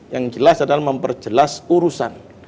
yang jelas adalah memperjelas urusan